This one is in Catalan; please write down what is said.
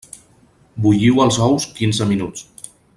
Bulliu els ous quinze minuts.